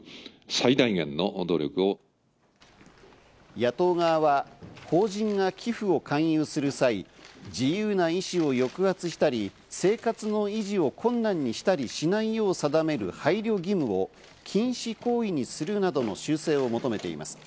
野党側は法人が寄付を勧誘する際、自由な意思を抑圧したり、生活の維持を困難にしたりしないよう定める配慮義務を禁止行為にするなどの修正を求めています。